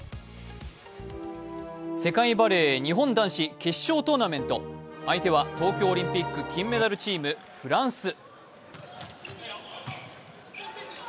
世界バレー日本男子決勝トーナメント相手は東京オリンピック金メダルチーム・フランス。